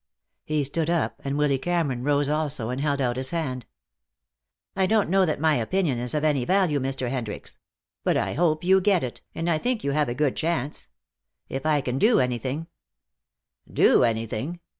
He stood up, and Willy Cameron rose also and held out his hand. "I don't know that my opinion is of any value, Mr. Hendricks. But I hope you get it, and I think you have a good chance. If I can do anything " "Do anything!